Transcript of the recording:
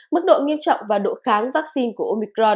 mức độ nghiêm trọng và độ kháng vaccine của omicron